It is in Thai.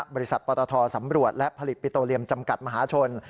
บริษัทปตทสำรวจและผลิตปิโตเรียมจำกัดมหาชน